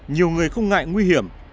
nhiều người không ngại nguy hiểm